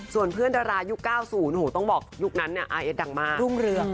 ส่วนเพื่อนดรายุค๙๐ต้องบอกยุคนั้นอาร์เอสดังมาก